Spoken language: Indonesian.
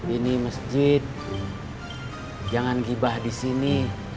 ini masjid jangan gibah di sini